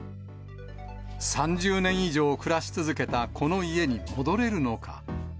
３０年以上暮らし続けたこの家に戻れるのか。